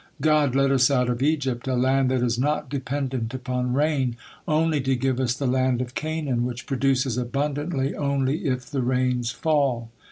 God led us out of Egypt, a land that is not dependent upon rain, only to give us the land of Canaan, which produces abundantly only if the rains fall."